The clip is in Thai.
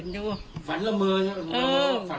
ชมืดแล้วก่ะ